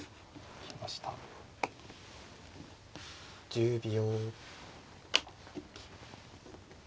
１０秒。